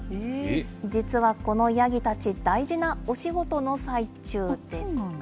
実はこのヤギたち、大事なお仕事の最中です。